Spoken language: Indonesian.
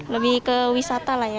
lebih ke wisata lah ya